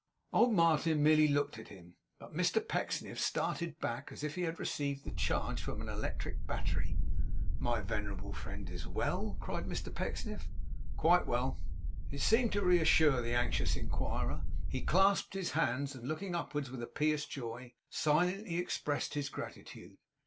Old Martin merely looked at him; but Mr Pecksniff started back as if he had received the charge from an electric battery. 'My venerable friend is well?' cried Mr Pecksniff. 'Quite well.' It seemed to reassure the anxious inquirer. He clasped his hands and, looking upwards with a pious joy, silently expressed his gratitude.